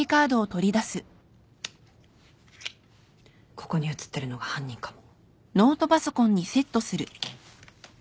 ここに映ってるのが犯人かも。